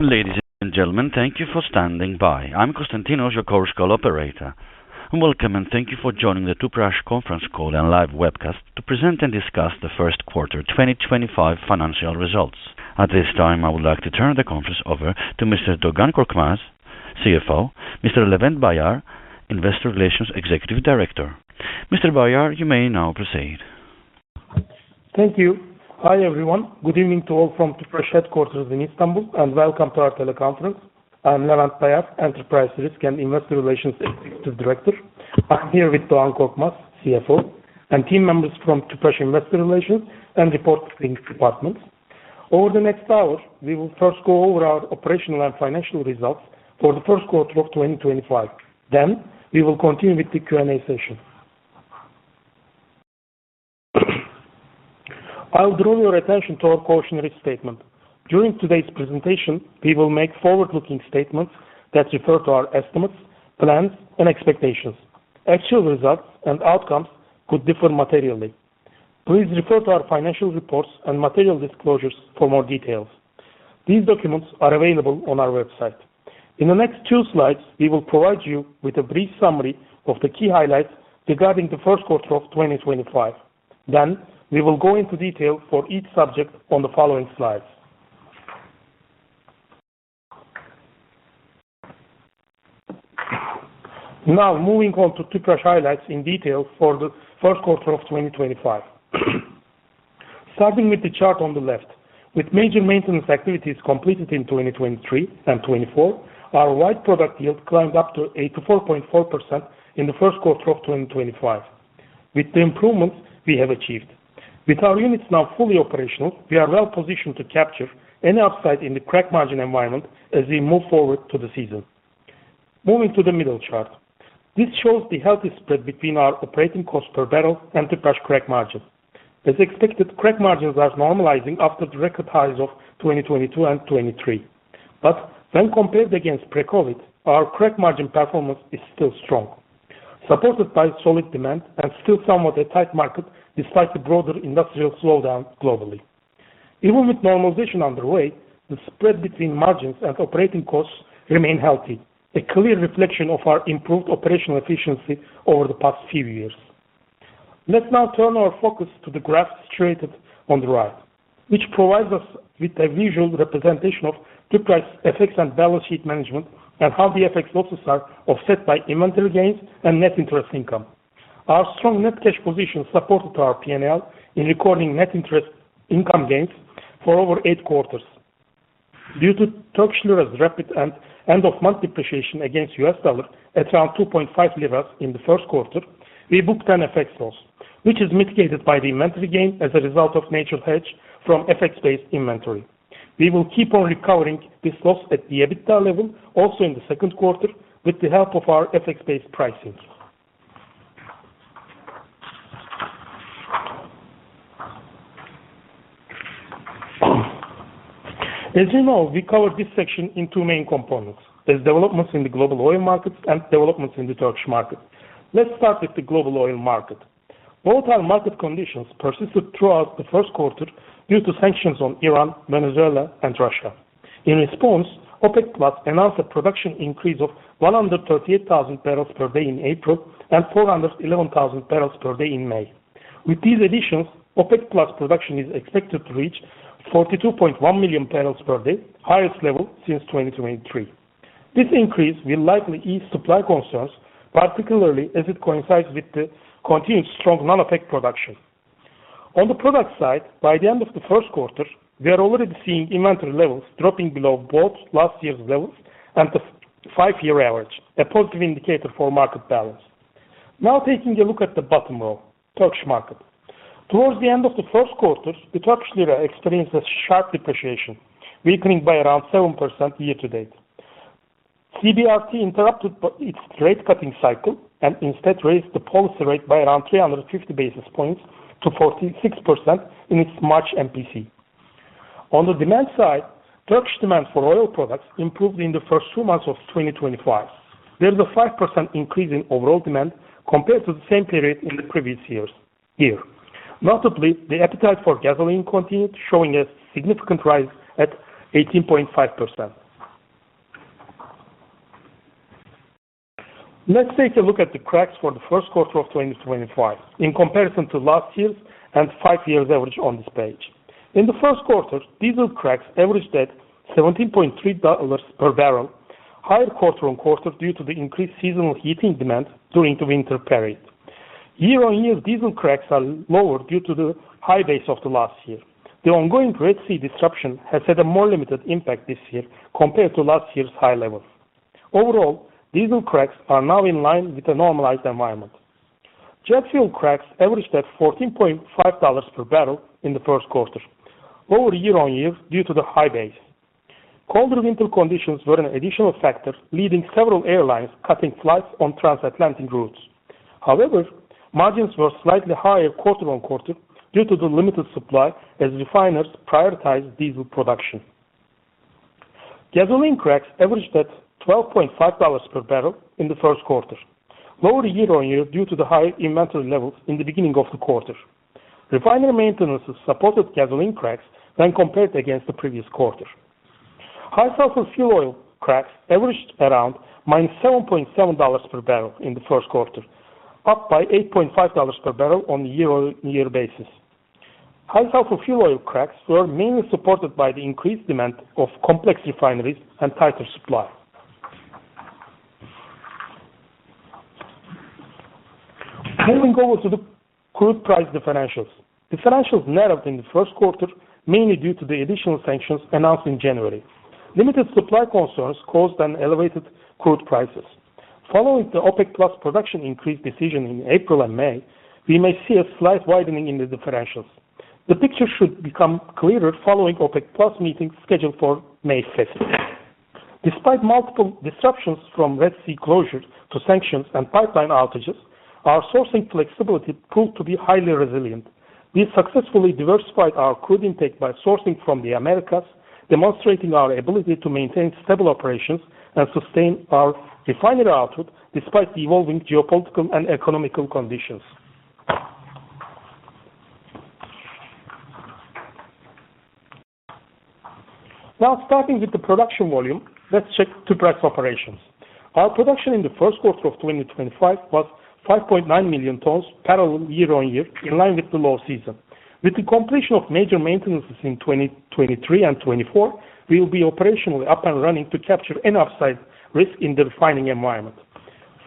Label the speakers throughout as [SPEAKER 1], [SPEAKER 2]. [SPEAKER 1] Ladies and gentlemen, thank you for standing by. I'm Konstantinos, your Chorus Call operator. Welcome, and thank you for joining the Tüpraş conference call and live webcast to present and discuss the first quarter 2025 financial results. At this time, I would like to turn the conference over to Mr. Doğan Korkmaz, CFO, and Mr. Levent Bayar, Investor Relations Executive Director. Mr. Bayar, you may now proceed.
[SPEAKER 2] Thank you. Hi everyone. Good evening to all from Tüpraş headquarters in Istanbul, and welcome to our teleconference. I'm Levent Bayar, Enterprise Risk and Investor Relations Executive Director. I'm here with Doğan Korkmaz, CFO, and team members from Tüpraş Investor Relations and Reporting Departments. Over the next hour, we will first go over our operational and financial results for the first quarter of 2025. Then, we will continue with the Q&A session. I'll draw your attention to our cautionary statement. During today's presentation, we will make forward-looking statements that refer to our estimates, plans, and expectations. Actual results and outcomes could differ materially. Please refer to our financial reports and material disclosures for more details. These documents are available on our website. In the next two slides, we will provide you with a brief summary of the key highlights regarding the first quarter of 2025. We will go into detail for each subject on the following slides. Now, moving on to Tüpraş highlights in detail for the first quarter of 2025. Starting with the chart on the left, with major maintenance activities completed in 2023 and 2024, our wide product yield climbed up to 84.4% in the first quarter of 2025, with the improvements we have achieved. With our units now fully operational, we are well-positioned to capture any upside in the crack margin environment as we move forward to the season. Moving to the middle chart, this shows the healthy spread between our operating cost per barrel and Tüpraş crack margin. As expected, crack margins are normalizing after the record highs of 2022 and 2023, but when compared against pre-COVID, our crack margin performance is still strong, supported by solid demand and still somewhat a tight market despite the broader industrial slowdown globally. Even with normalization underway, the spread between margins and operating costs remains healthy, a clear reflection of our improved operational efficiency over the past few years. Let's now turn our focus to the graph situated on the right, which provides us with a visual representation of Tüpraş's FX and balance sheet management and how the FX losses are offset by inventory gains and net interest income. Our strong net cash position supported our P&L in recording net interest income gains for over eight quarters. Due to Turkish lira's rapid and end-of-month depreciation against the US dollar at around 2.5 liras in the first quarter, we booked an FX loss, which is mitigated by the inventory gain as a result of natural hedge from FX-based inventory. We will keep on recovering this loss at the EBITDA level also in the second quarter with the help of our FX-based pricing. As you know, we covered this section in two main components: developments in the global oil markets and developments in the Turkish market. Let's start with the global oil market. Both our market conditions persisted throughout the first quarter due to sanctions on Iran, Venezuela, and Russia. In response, OPEC Plus announced a production increase of 138,000 barrels per day in April and 411,000 barrels per day in May. With these additions, OPEC Plus production is expected to reach 42.1 million barrels per day, the highest level since 2023. This increase will likely ease supply concerns, particularly as it coincides with the continued strong non-OPEC production. On the product side, by the end of the first quarter, we are already seeing inventory levels dropping below both last year's levels and the five-year average, a positive indicator for market balance. Now, taking a look at the bottom row, Turkish market. Towards the end of the first quarter, the Turkish lira experienced a sharp depreciation, weakening by around 7% year-to-date. CBRT interrupted its rate-cutting cycle and instead raised the policy rate by around 350 basis points to 46% in its March MPC. On the demand side, Turkish demand for oil products improved in the first two months of 2025. There's a 5% increase in overall demand compared to the same period in the previous years. Notably, the appetite for gasoline continued, showing a significant rise at 18.5%. Let's take a look at the cracks for the first quarter of 2025 in comparison to last year's and five-year average on this page. In the first quarter, diesel cracks averaged at $17.3 per barrel, higher quarter-on-quarter due to the increased seasonal heating demand during the winter period. Year-on-year diesel cracks are lower due to the high base of the last year. The ongoing Red Sea disruption has had a more limited impact this year compared to last year's high levels. Overall, diesel cracks are now in line with a normalized environment. Jet fuel cracks averaged at $14.5 per barrel in the first quarter, lower year-on-year due to the high base. Colder winter conditions were an additional factor, leading several airlines cutting flights on transatlantic routes. However, margins were slightly higher quarter-on-quarter due to the limited supply as refiners prioritized diesel production. Gasoline cracks averaged at $12.5 per barrel in the first quarter, lower year-on-year due to the high inventory levels in the beginning of the quarter. Refinery maintenances supported gasoline cracks when compared against the previous quarter. High sulfur fuel oil cracks averaged around minus $7.7 per barrel in the first quarter, up by $8.5 per barrel on a year-on-year basis. High sulfur fuel oil cracks were mainly supported by the increased demand of complex refineries and tighter supply. Moving over to the crude price differentials. Differentials narrowed in the first quarter, mainly due to the additional sanctions announced in January. Limited supply concerns caused elevated crude prices. Following the OPEC Plus production increase decision in April and May, we may see a slight widening in the differentials. The picture should become clearer following OPEC Plus meetings scheduled for May 5th. Despite multiple disruptions from Red Sea closures to sanctions and pipeline outages, our sourcing flexibility proved to be highly resilient. We successfully diversified our crude intake by sourcing from the Americas, demonstrating our ability to maintain stable operations and sustain our refinery output despite the evolving geopolitical and economical conditions. Now, starting with the production volume, let's check Tüpraş operations. Our production in the first quarter of 2025 was 5.9 million tons, parallel year-on-year, in line with the low season. With the completion of major maintenances in 2023 and 2024, we will be operationally up and running to capture any upside risk in the refining environment.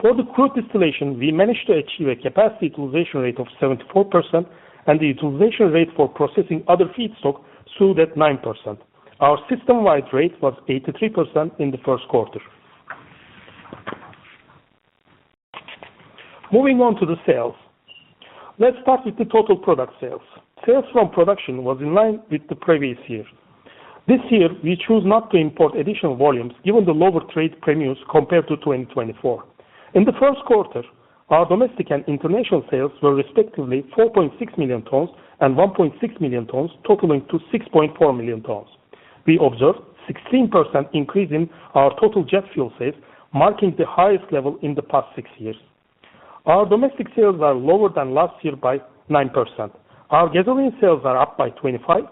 [SPEAKER 2] For the crude distillation, we managed to achieve a capacity utilization rate of 74%, and the utilization rate for processing other feedstock stood at 9%. Our system-wide rate was 83% in the first quarter. Moving on to the sales. Let's start with the total product sales. Sales from production was in line with the previous year. This year, we chose not to import additional volumes given the lower trade premiums compared to 2024. In the first quarter, our domestic and international sales were respectively 4.6 million tons and 1.6 million tons, totaling to 6.4 million tons. We observed a 16% increase in our total jet fuel sales, marking the highest level in the past six years. Our domestic sales are lower than last year by 9%. Our gasoline sales are up by 21%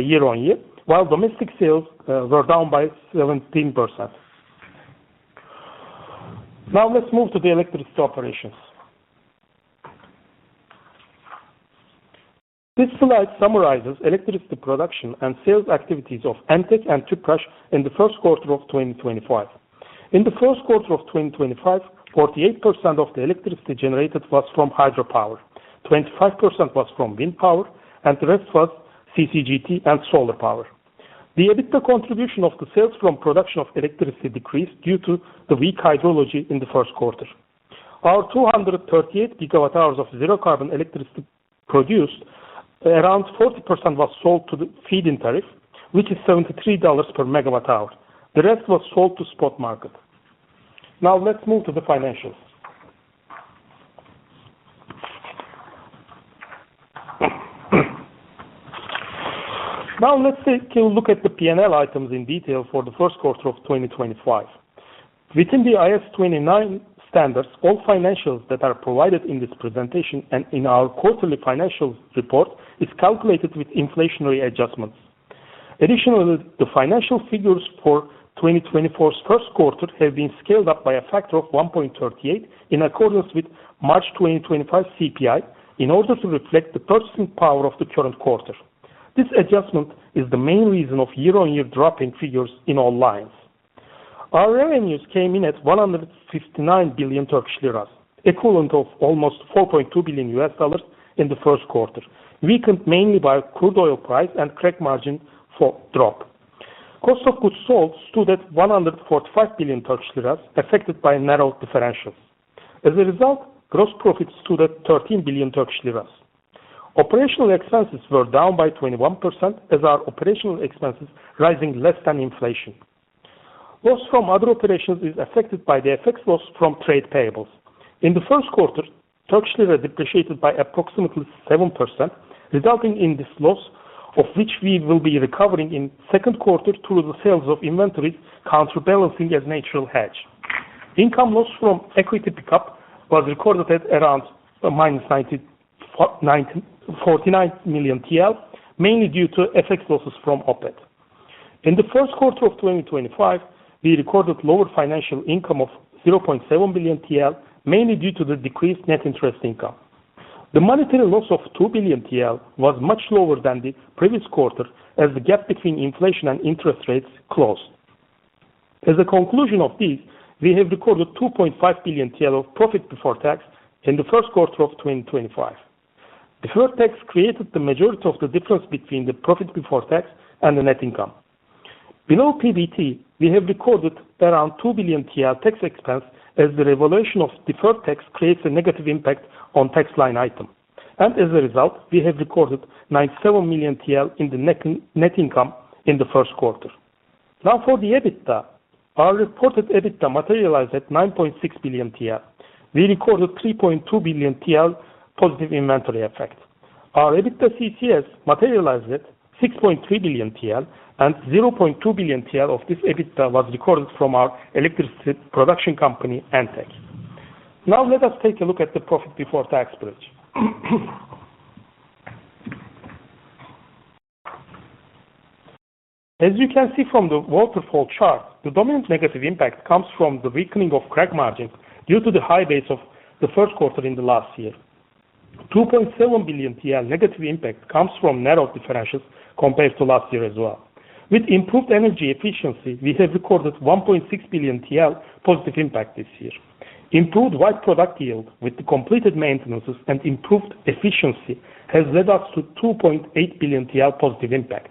[SPEAKER 2] year-on-year, while domestic sales were down by 17%. Now, let's move to the electricity operations. This slide summarizes electricity production and sales activities of ENTEC and Tüpraş in the first quarter of 2025. In the first quarter of 2025, 48% of the electricity generated was from hydropower, 25% was from wind power, and the rest was CCGT and solar power. The EBITDA contribution of the sales from production of electricity decreased due to the weak hydrology in the first quarter. Of our 238 gigawatt-hours of zero-carbon electricity produced, around 40% was sold to the feed-in tariff, which is $73 per megawatt-hour. The rest was sold to spot market. Now, let's move to the financials. Now, let's take a look at the P&L items in detail for the first quarter of 2025. Within the IS29 standards, all financials that are provided in this presentation and in our quarterly financial report are calculated with inflationary adjustments. Additionally, the financial figures for 2024's first quarter have been scaled up by a factor of 1.38 in accordance with March 2025 CPI in order to reflect the purchasing power of the current quarter. This adjustment is the main reason for year-on-year drop in figures in all lines. Our revenues came in at 159 billion Turkish lira, equivalent to almost $4.2 billion in the first quarter, weakened mainly by crude oil price and crack margin drop. Cost of goods sold stood at 145 billion Turkish lira, affected by narrow differentials. As a result, gross profit stood at 13 billion Turkish lira. Operational expenses were down by 21%, as are operational expenses rising less than inflation. Loss from other operations is affected by the FX loss from trade payables. In the first quarter, Turkish lira depreciated by approximately 7%, resulting in this loss, of which we will be recovering in the second quarter through the sales of inventories counterbalancing as natural hedge. Income loss from equity pickup was recorded at around minus 49 million TL, mainly due to FX losses from Opet. In the first quarter of 2025, we recorded lower financial income of 700 million TL, mainly due to the decreased net interest income. The monetary loss of 2 billion TL was much lower than the previous quarter as the gap between inflation and interest rates closed. As a conclusion of this, we have recorded 2.5 billion of profit before tax in the first quarter of 2025. Deferred tax created the majority of the difference between the profit before tax and the net income. Below PBT, we have recorded around 2 billion tax expense as the revelation of deferred tax creates a negative impact on the tax line item. As a result, we have recorded 97 million TL in the net income in the first quarter. Now, for the EBITDA, our reported EBITDA materialized at 9.6 billion TL. We recorded 3.2 billion TL positive inventory effect. Our EBITDA CCS materialized at 6.3 billion TL, and 0.2 billion TL of this EBITDA was recorded from our electricity production company, ENTEC. Now, let us take a look at the profit before tax bridge. As you can see from the waterfall chart, the dominant negative impact comes from the weakening of crack margins due to the high base of the first quarter in the last year. 2.7 billion TL negative impact comes from narrow differentials compared to last year as well. With improved energy efficiency, we have recorded 1.6 billion TL positive impact this year. Improved wide product yield with the completed maintenances and improved efficiency has led us to 2.8 billion TL positive impact.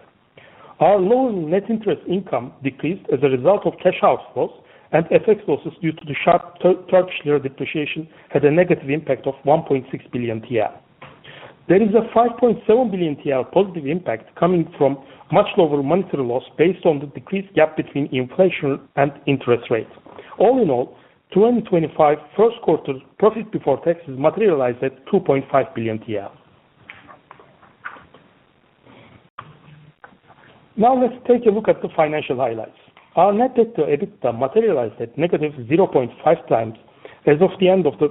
[SPEAKER 2] Our lower net interest income decreased as a result of cash outflows and FX losses due to the sharp Turkish lira depreciation had a negative impact of 1.6 billion TL. There is a 5.7 billion TL positive impact coming from much lower monetary loss based on the decreased gap between inflation and interest rate. All in all, 2025 first quarter profit before tax is materialized at 2.5 billion TL. Now, let's take a look at the financial highlights. Our net debt to EBITDA materialized at negative 0.5 times as of the end of the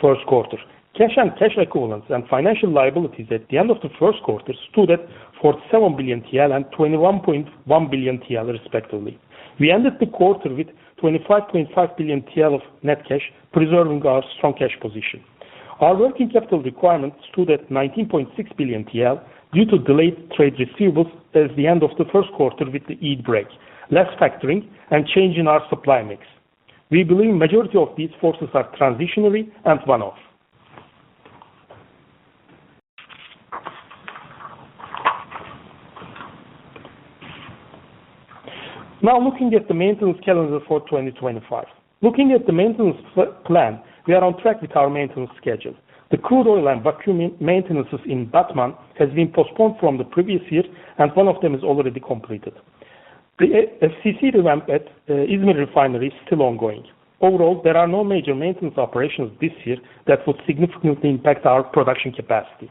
[SPEAKER 2] first quarter. Cash and cash equivalents and financial liabilities at the end of the first quarter stood at 47 billion TL and 21.1 billion TL respectively. We ended the quarter with 25.5 billion TL of net cash, preserving our strong cash position. Our working capital requirement stood at 19.6 billion TL due to delayed trade receivables as the end of the first quarter with the Eid break, less factoring, and change in our supply mix. We believe the majority of these forces are transitionary and one-off. Now, looking at the maintenance calendar for 2025. Looking at the maintenance plan, we are on track with our maintenance schedule. The crude oil and vacuum maintenances in Batman have been postponed from the previous year, and one of them is already completed. The FCC revamp at Izmir refinery is still ongoing. Overall, there are no major maintenance operations this year that would significantly impact our production capacity.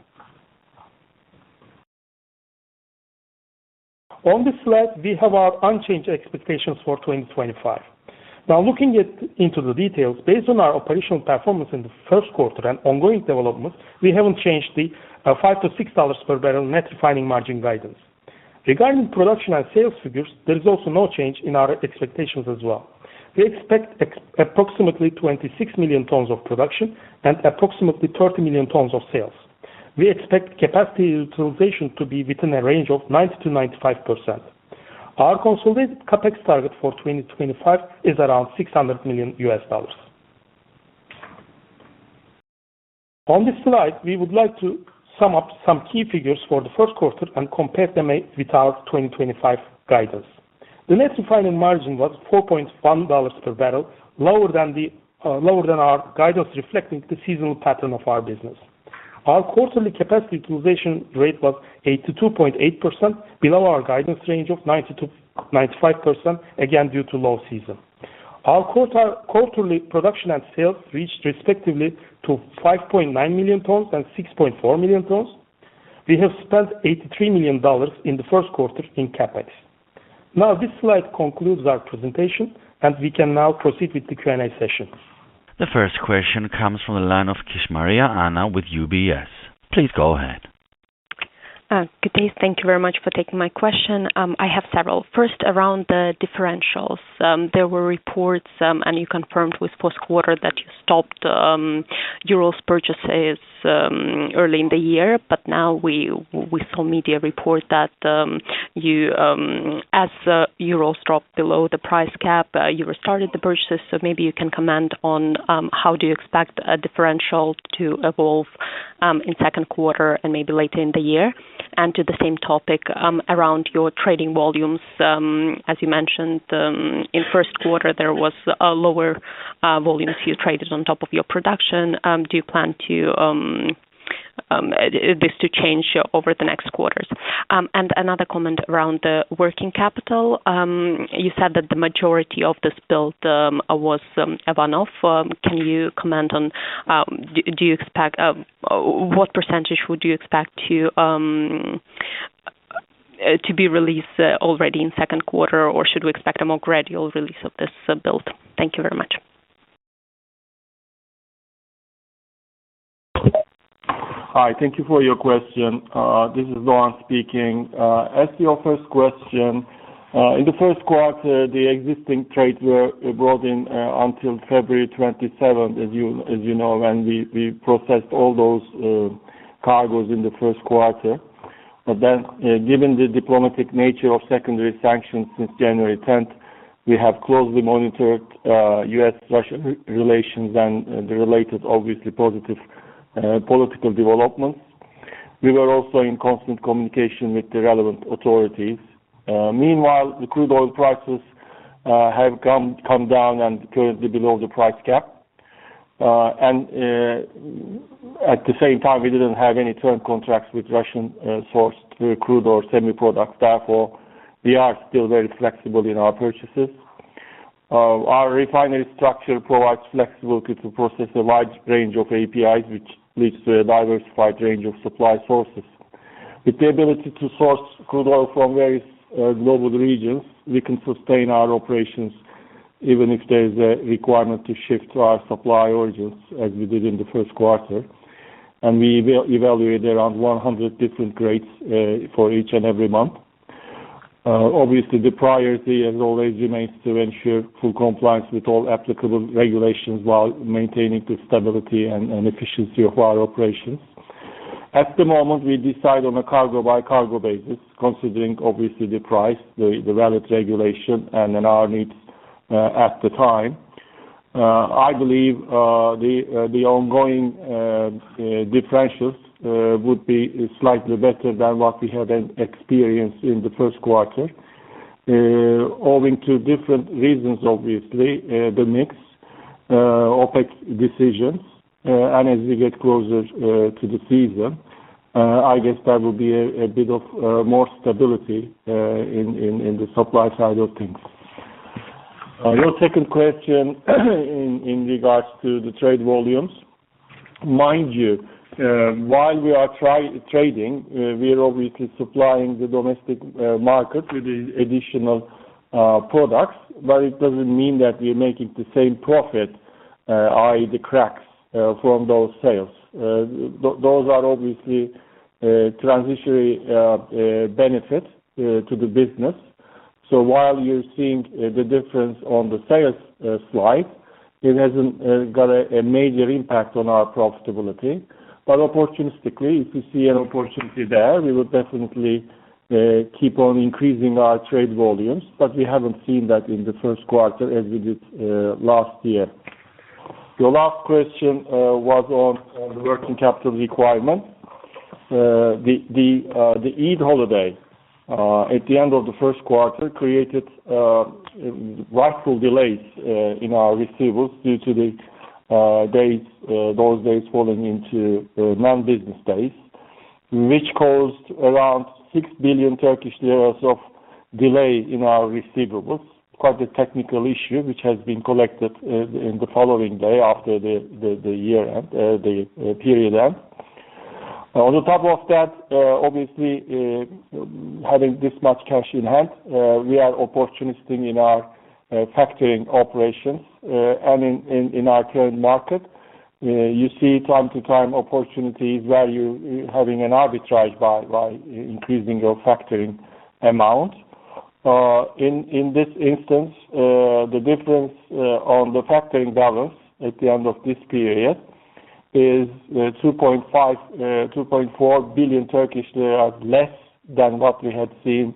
[SPEAKER 2] On this slide, we have our unchanged expectations for 2025. Now, looking into the details, based on our operational performance in the first quarter and ongoing developments, we haven't changed the $5-$6 per barrel net refining margin guidance. Regarding production and sales figures, there is also no change in our expectations as well. We expect approximately 26 million tons of production and approximately 30 million tons of sales. We expect capacity utilization to be within a range of 90-95%. Our consolidated CAPEX target for 2025 is around $600 million. On this slide, we would like to sum up some key figures for the first quarter and compare them with our 2025 guidance. The net refining margin was $4.1 per barrel, lower than our guidance reflecting the seasonal pattern of our business. Our quarterly capacity utilization rate was 82.8%, below our guidance range of 90-95%, again due to low season. Our quarterly production and sales reached respectively 5.9 million tons and 6.4 million tons. We have spent $83 million in the first quarter in CAPEX. Now, this slide concludes our presentation, and we can now proceed with the Q&A session. The first question comes from the line of Kishmaria Anna with UBS. Please go ahead. Good day. Thank you very much for taking my question. I have several. First, around the differentials. There were reports, and you confirmed with first quarter that you stopped Urals purchases early in the year, but now we saw media report that as Urals dropped below the price cap, you restarted the purchases. Maybe you can comment on how you expect a differential to evolve in the second quarter and maybe later in the year? To the same topic around your trading volumes, as you mentioned, in the first quarter, there were lower volumes you traded on top of your production. Do you plan for this to change over the next quarters? Another comment around the working capital. You said that the majority of this build was a one-off. Can you comment on what percentage you would expect to be released already in the second quarter, or should we expect a more gradual release of this build? Thank you very much. Hi. Thank you for your question. This is Levent speaking. As to your first question, in the first quarter, the existing trades were brought in until February 27, as you know, when we processed all those cargoes in the first quarter. Given the diplomatic nature of secondary sanctions since January 10, we have closely monitored U.S.-Russia relations and the related, obviously, positive political developments. We were also in constant communication with the relevant authorities. Meanwhile, the crude oil prices have come down and are currently below the price cap. At the same time, we did not have any term contracts with Russian-sourced crude or semi-products. Therefore, we are still very flexible in our purchases. Our refinery structure provides flexibility to process a wide range of APIs, which leads to a diversified range of supply sources. With the ability to source crude oil from various global regions, we can sustain our operations even if there is a requirement to shift our supply origins, as we did in the first quarter. We evaluated around 100 different grades for each and every month. Obviously, the priority, as always, remains to ensure full compliance with all applicable regulations while maintaining the stability and efficiency of our operations. At the moment, we decide on a cargo-by-cargo basis, considering, obviously, the price, the valid regulation, and our needs at the time. I believe the ongoing differentials would be slightly better than what we have experienced in the first quarter, owing to different reasons, obviously, the mix, OPEC decisions, and as we get closer to the season, I guess there will be a bit of more stability in the supply side of things. Your second question in regards to the trade volumes, mind you, while we are trading, we are obviously supplying the domestic market with the additional products, but it does not mean that we are making the same profit, i.e., the cracks from those sales. Those are obviously transitionary benefits to the business. While you're seeing the difference on the sales slide, it hasn't got a major impact on our profitability. Opportunistically, if we see an opportunity there, we would definitely keep on increasing our trade volumes, but we haven't seen that in the first quarter as we did last year. Your last question was on the working capital requirement. The Eid holiday at the end of the first quarter created rightful delays in our receivables due to those days falling into non-business days, which caused around 6 billion Turkish lira of delay in our receivables, quite a technical issue, which has been collected in the following day after the period end. On top of that, obviously, having this much cash in hand, we are opportunistic in our factoring operations and in our current market. You see time to time opportunities where you're having an arbitrage by increasing your factoring amount. In this instance, the difference on the factoring balance at the end of this period is 2.4 billion Turkish lira, less than what we had seen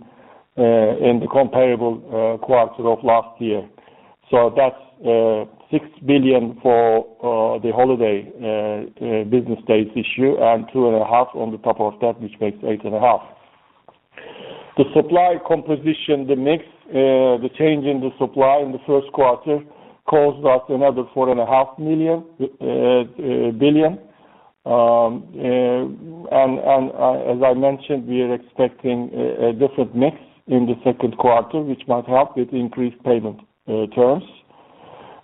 [SPEAKER 2] in the comparable quarter of last year. That is 6 billion for the holiday business days issue and 2.5 billion on the top of that, which makes 8.5 billion. The supply composition, the mix, the change in the supply in the first quarter caused us another 4.5 billion. As I mentioned, we are expecting a different mix in the second quarter, which might help with increased payment terms.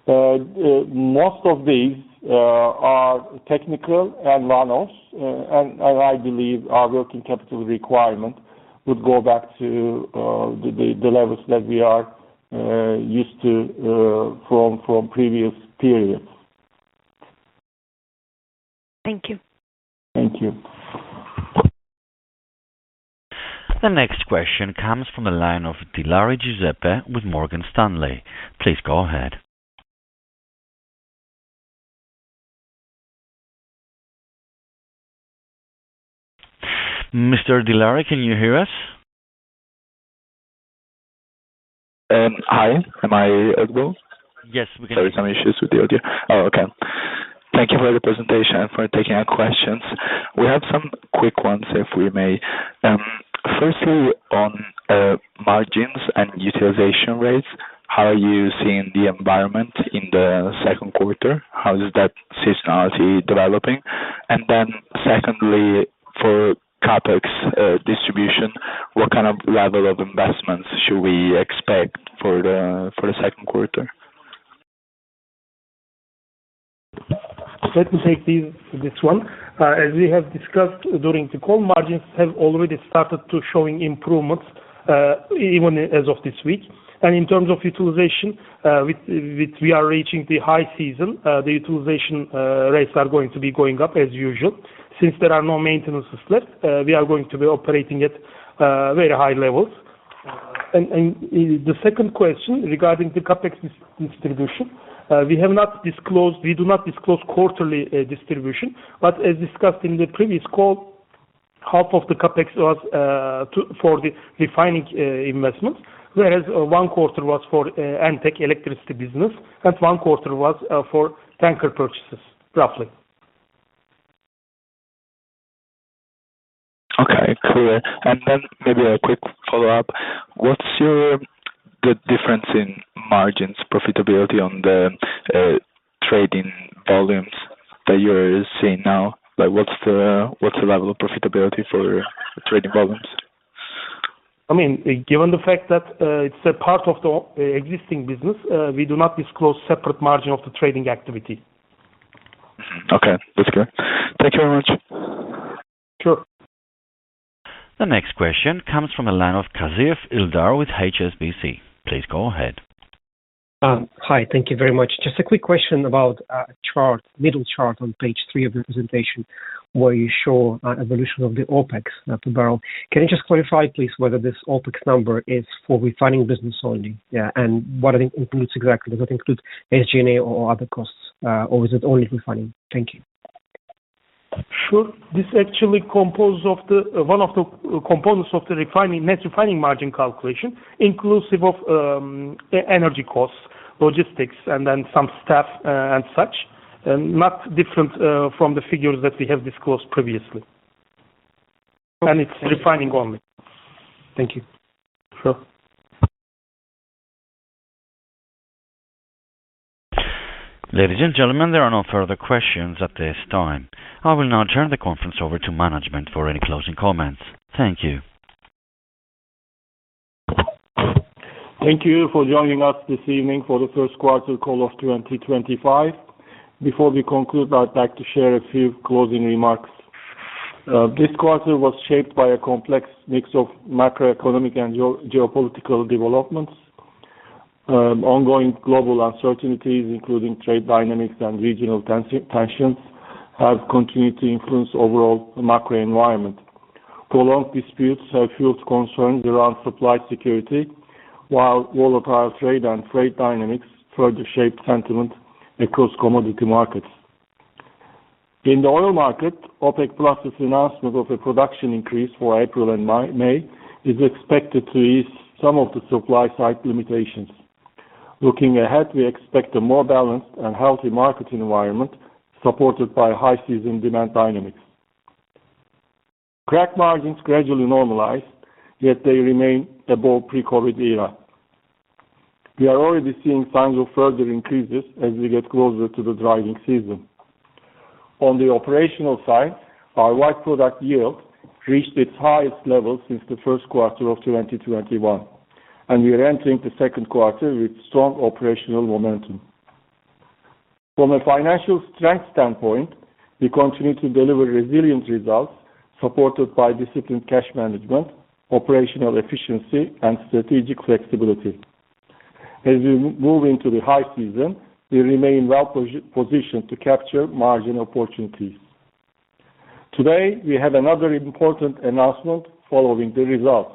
[SPEAKER 2] Most of these are technical and one-offs, and I believe our working capital requirement would go back to the levels that we are used to from previous periods. Thank you. Thank you. The next question comes from the line of Dilara Giuseppe with Morgan Stanley. Please go ahead. Mr. Dilara, can you hear us? Hi. Am I as well? Yes, we can hear you. Sorry, some issues with the audio. Oh, okay. Thank you for the presentation and for taking our questions. We have some quick ones, if we may. Firstly, on margins and utilization rates, how are you seeing the environment in the second quarter? How is that seasonality developing? Secondly, for CAPEX distribution, what kind of level of investments should we expect for the second quarter? Let me take this one. As we have discussed during the call, margins have already started to show improvements even as of this week. In terms of utilization, we are reaching the high season. The utilization rates are going to be going up as usual. Since there are no maintenances left, we are going to be operating at very high levels. The second question regarding the CAPEX distribution, we do not disclose quarterly distribution, but as discussed in the previous call, half of the CAPEX was for the refining investments, whereas one quarter was for ENTEC electricity business and one quarter was for tanker purchases, roughly. Okay. Cool. Maybe a quick follow-up. What's your difference in margins, profitability on the trading volumes that you're seeing now? What's the level of profitability for trading volumes? I mean, given the fact that it's a part of the existing business, we do not disclose separate margin of the trading activity. Okay. That's good. Thank you very much. Sure. The next question comes from the line of Kazif Ildar with HSBC. Please go ahead. Hi. Thank you very much. Just a quick question about a middle chart on page three of the presentation where you show an evolution of the OPEX per barrel. Can you just clarify, please, whether this OPEX number is for refining business only and what it includes exactly? Does it include SG&A or other costs, or is it only refining? Thank you. Sure. This actually composes of one of the components of the net refining margin calculation, inclusive of energy costs, logistics, and then some staff and such, not different from the figures that we have disclosed previously. And it's refining only. Thank you. Sure. Ladies and gentlemen, there are no further questions at this time. I will now turn the conference over to management for any closing comments. Thank you. Thank you for joining us this evening for the first quarter call of 2025. Before we conclude, I'd like to share a few closing remarks. This quarter was shaped by a complex mix of macroeconomic and geopolitical developments. Ongoing global uncertainties, including trade dynamics and regional tensions, have continued to influence the overall macro environment. Prolonged disputes have fueled concerns around supply security, while volatile trade and trade dynamics further shaped sentiment across commodity markets. In the oil market, OPEC Plus's announcement of a production increase for April and May is expected to ease some of the supply-side limitations. Looking ahead, we expect a more balanced and healthy market environment supported by high-season demand dynamics. Crack margins gradually normalized, yet they remain above the pre-COVID era. We are already seeing signs of further increases as we get closer to the driving season. On the operational side, our white-product yield reached its highest level since the first quarter of 2021, and we are entering the second quarter with strong operational momentum. From a financial strength standpoint, we continue to deliver resilient results supported by disciplined cash management, operational efficiency, and strategic flexibility. As we move into the high season, we remain well-positioned to capture margin opportunities. Today, we have another important announcement following the results.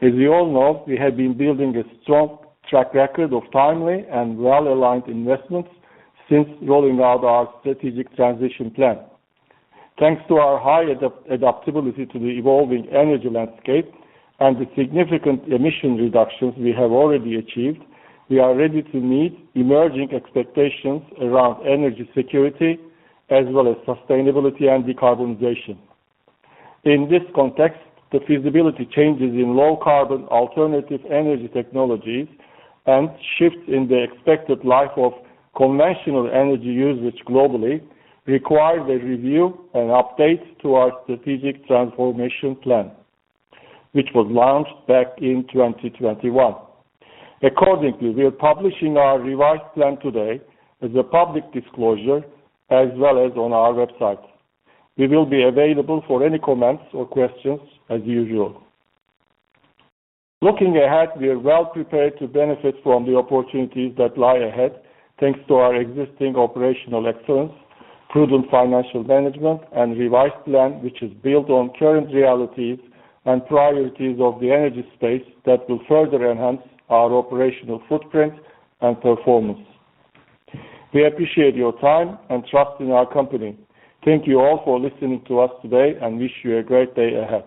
[SPEAKER 2] As you all know, we have been building a strong track record of timely and well-aligned investments since rolling out our strategic transition plan. Thanks to our high adaptability to the evolving energy landscape and the significant emission reductions we have already achieved, we are ready to meet emerging expectations around energy security as well as sustainability and decarbonization. In this context, the feasibility changes in low-carbon alternative energy technologies and shifts in the expected life of conventional energy usage globally require a review and update to our strategic transformation plan, which was launched back in 2021. Accordingly, we are publishing our revised plan today as a public disclosure as well as on our website. We will be available for any comments or questions as usual. Looking ahead, we are well-prepared to benefit from the opportunities that lie ahead thanks to our existing operational excellence, prudent financial management, and revised plan, which is built on current realities and priorities of the energy space that will further enhance our operational footprint and performance. We appreciate your time and trust in our company. Thank you all for listening to us today and wish you a great day ahead.